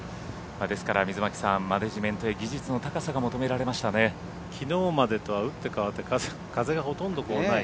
ですから、水巻さんマネジメントや技術の高さがきのうまでとは打って変わって風がほとんどない。